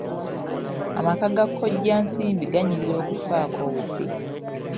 Amaka ga kkoja Nsimbi ganyirira okufaako obufi.